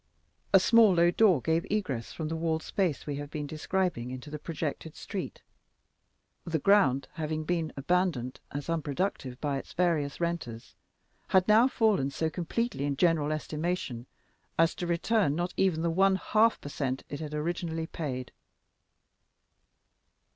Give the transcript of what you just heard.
A small, low door gave egress from the walled space we have been describing into the projected street, the ground having been abandoned as unproductive by its various renters, and had now fallen so completely in general estimation as to return not even the one half per cent it had originally paid.